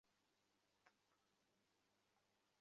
এমন করিস না।